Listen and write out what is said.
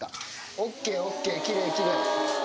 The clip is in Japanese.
ＯＫ、ＯＫ、きれいきれい。